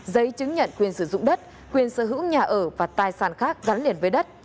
giấy chứng nhận quyền sử dụng đất quyền sở hữu nhà ở và tài sản khác gắn liền với đất